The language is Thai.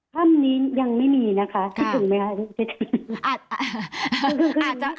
ถ้ำนี้ยังไม่มีนะคะคิดถึงไหมคะ